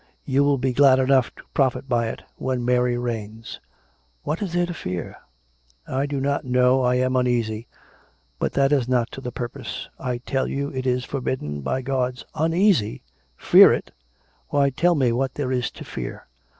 You will be glad enough to profit by it, when Mary reigns. What is there to fear .''"" I do not know; I am uneasy. But that is not to the purpose. I tell you it is forbidden by God's' "" Uneasy ! Fear it! Why, tell me what there is to fear?